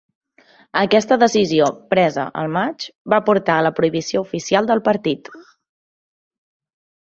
Aquesta decisió, presa al maig, va portar a la prohibició oficial del partit.